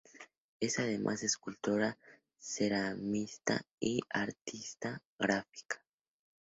Es además escultora ceramista y artista gráfica.